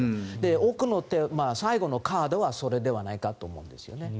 奥の手、最後のカードはそれではないかと思うんです。